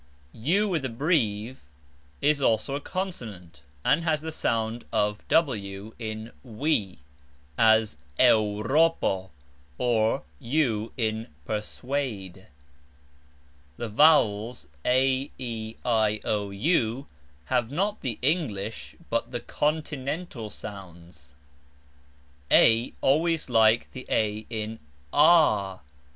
ux is also a consonant, and has the sound of W in We, as EUXropo, or U in persUade. The VOWELS a, e, i, o, u have not the English, but the Continental sounds. a always like A in Ah!